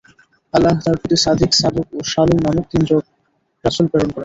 আল্লাহ তার প্রতি সাদিক, সাদূক ও শালুম নামক তিনজন রাসূল প্রেরণ করেন।